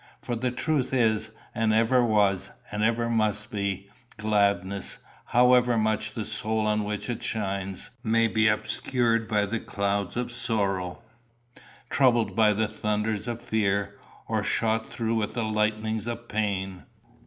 For the truth is, and ever was, and ever must be, gladness, however much the souls on which it shines may be obscured by the clouds of sorrow, troubled by the thunders of fear, or shot through with the lightnings of pain.